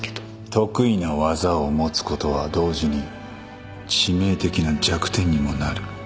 得意な技を持つことは同時に致命的な弱点にもなる